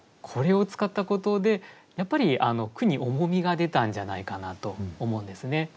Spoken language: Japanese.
これを使ったことでやっぱり句に重みが出たんじゃないかなと思うんですね。